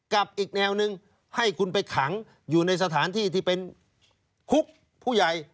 กับอีกแนวหนึ่งให้คุณไปขังอยู่ในสถานที่ที่เป็นคุกผู้ใหญ่